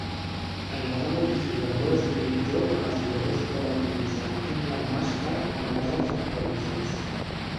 El mode multijugador és l'únic lloc on els jugadors poden utilitzar un Landmaster amb làsers actualitzats.